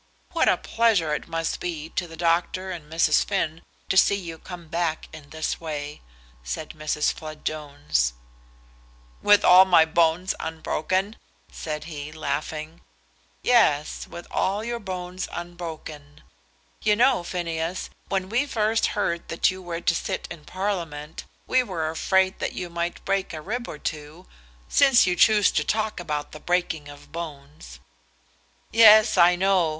"What a pleasure it must be to the doctor and Mrs. Finn to see you come back in this way," said Mrs. Flood Jones. "With all my bones unbroken?" said he, laughing. "Yes; with all your bones unbroken. You know, Phineas, when we first heard that you were to sit in Parliament, we were afraid that you might break a rib or two, since you choose to talk about the breaking of bones." "Yes, I know.